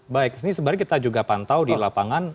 baik ini sebenarnya kita juga pantau di lapangan